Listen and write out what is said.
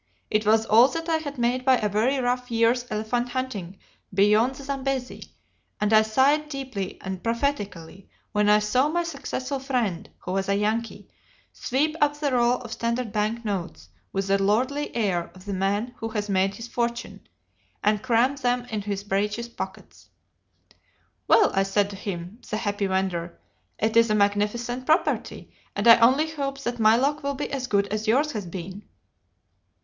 It was all that I had made by a very rough year's elephant hunting beyond the Zambesi, and I sighed deeply and prophetically when I saw my successful friend, who was a Yankee, sweep up the roll of Standard Bank notes with the lordly air of the man who has made his fortune, and cram them into his breeches pockets. 'Well,' I said to him the happy vendor 'it is a magnificent property, and I only hope that my luck will be as good as yours has been.